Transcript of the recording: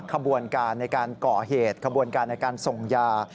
ขบวนการในการก่อเหตุขบวนการในการส่งยา